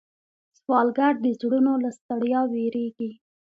سوالګر د زړونو له ستړیا ویریږي